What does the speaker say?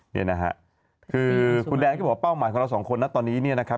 นี่นะฮะคือคุณแดนก็บอกว่าเป้าหมายของเราสองคนนะตอนนี้เนี่ยนะครับ